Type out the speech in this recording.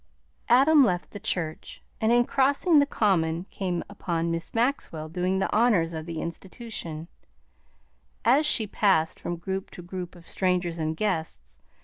Adam left the church, and in crossing the common came upon Miss Maxwell doing the honors of the institution, as she passed from group to group of strangers and guests.